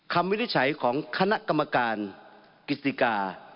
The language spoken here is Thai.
วินิจฉัยของคณะกรรมการกฤษฎิกา